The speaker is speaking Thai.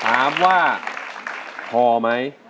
ถามว่าพอไหม